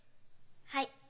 はい。